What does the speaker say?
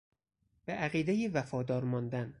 به عقیدهای وفادار ماندن